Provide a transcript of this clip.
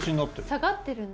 下がってるんだ。